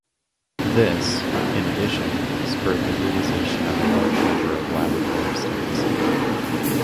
This, in addition, spurred the realization of a large number of laboratory studies.